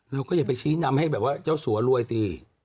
เราก็อย่าไปชี้นำให้แบบว่าเจ้าสัวรวยสิ